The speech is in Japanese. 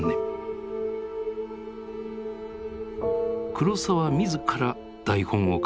黒澤自ら台本を書き